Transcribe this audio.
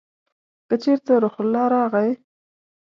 که چېرته روح الله راغی !